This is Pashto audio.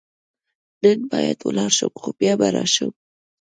نن باید ولاړ شم، خو بیا به راشم.